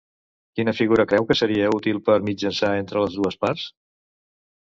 Quina figura creu que seria útil per mitjançar entre les dues parts?